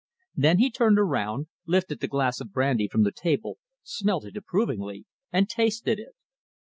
Then he turned around, lifted the glass of brandy from the table, smelt it approvingly, and tasted it.